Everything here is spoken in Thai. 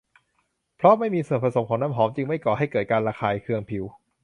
เพราะไม่มีส่วนผสมของน้ำหอม จึงไม่ก่อให้เกิดการระคายเคืองผิว